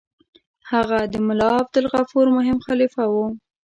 هغه د ملا عبدالغفور مهم خلیفه وو.